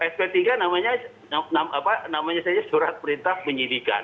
sp tiga namanya apa namanya saya surat perintah penyidikan